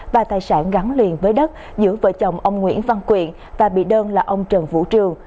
và tài sản gắn liền với đất giữa vợ chồng ông nguyễn văn quyện và bị đơn là ông trần vũ trường